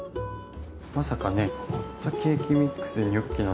まさかねホットケーキミックスでニョッキなんて。